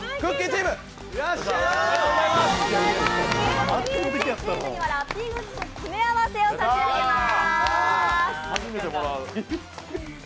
チームにはラッピーグッズの詰め合わせを差し上げます。